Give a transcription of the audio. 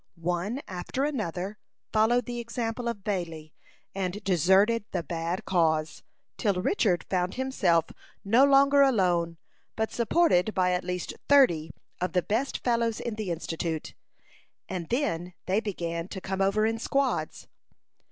One after another followed the example of Bailey, and deserted the bad cause, till Richard found himself no longer alone, but supported by at least thirty of the best fellows in the Institute; and then they began to come over in squads.